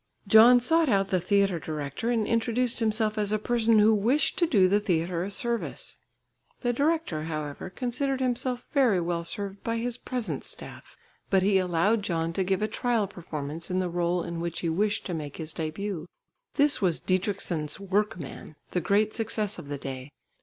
John sought out the theatre director and introduced himself as a person who wished to do the theatre a service. The director, however, considered himself very well served by his present staff. But he allowed John to give a trial performance in the rôle in which he wished to make his début. This was Dietrichson's Workman, the great success of the day.